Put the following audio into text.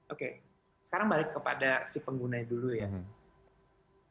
oke sekarang balik kepada si penggunanya dulu ya